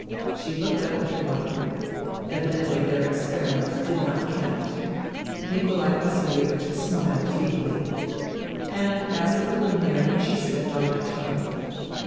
She looked up at her lover. Evidently their experiment did not count. Nikolai Vasilievieh smiled feebly. And, as a preliminary, she stepped on my toe.